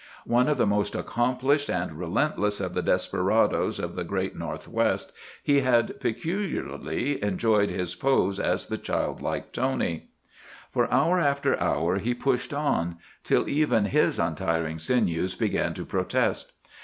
One of the most accomplished and relentless of the desperadoes of the Great North West, he had peculiarly enjoyed his pose as the childlike Tony. For hour after hour he pushed on, till even his untiring sinews began to protest.